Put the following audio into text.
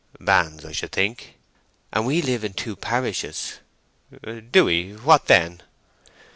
"Banns, I should think." "And we live in two parishes." "Do we? What then?"